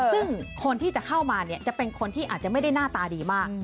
ซึ่งคนที่จะเข้ามาเนี่ยจะเป็นคนที่อาจจะไม่ได้หน้าตาดีมาก